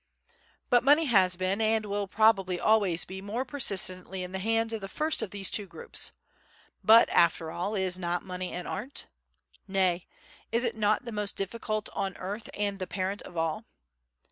The money has been, and will probably always be more persistently in the hands of the first of these two groups. But, after all, is not money an art? Nay, is it not the most difficult on earth and the parent of all?